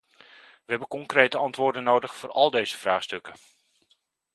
We hebben concrete antwoorden nodig voor al deze vraagstukken.